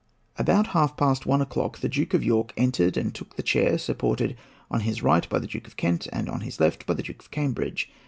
About half past one o'clock the Duke of York entered and took the chair, supported on his right by the Duke of Kent, and on his left by the Duke of Cambridge.